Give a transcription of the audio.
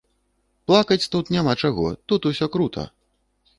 Плакаць тут няма чаго, тут усё крута.